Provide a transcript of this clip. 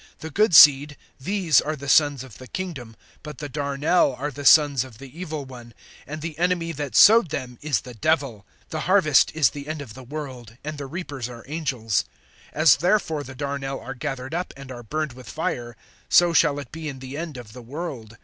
The good seed, these are the sons of the kingdom; but the darnel are the sons of the evil one, (39)and the enemy that sowed them is the Devil. The harvest is the end of the world; and the reapers are angels. (40)As therefore the darnel are gathered up and are burned with fire, so shall it be in the end of the world.